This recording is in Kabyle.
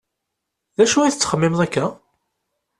D acu i tettxemmimeḍ akka?